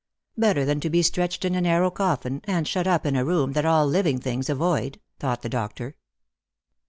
" Better than to be stretched in a narrow coffin, and shut up in a room that all living things avoid," thought the doctor.